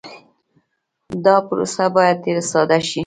دا پروسه باید ډېر ساده شي.